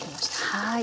はい。